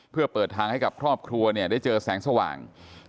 เพื่อเปิดทางให้กับครอบครัวได้เจอแสงสว่าง